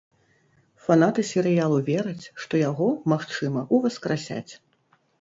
Фанаты серыялу вераць, што яго, магчыма, уваскрасяць.